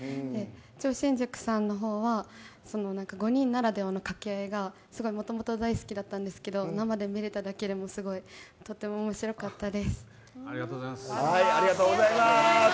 超新塾さんの方は５人ならではの掛け合いがもともと大好きだったんですけど生で見れただけでもありがとうございます。